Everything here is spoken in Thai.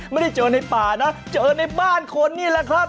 ไม่ได้เจอในป่านะเจอในบ้านคนนี่แหละครับ